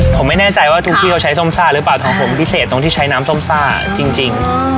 ผมไม่แน่ใจว่าทุกที่เขาใช้ส้มซ่าหรือเปล่าของผมพิเศษตรงที่ใช้น้ำส้มซ่าจริง